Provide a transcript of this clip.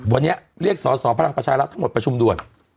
วันนี้เรียกสอสอพลังประชารัฐทั้งหมดประชุมด่วน